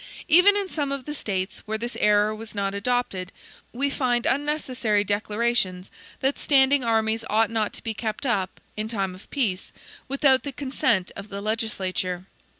Even in some of the States, where this error was not adopted, we find unnecessary declarations that standing armies ought not to be kept up, in time of peace, WITHOUT THE CONSENT OF THE LEGISLATURE.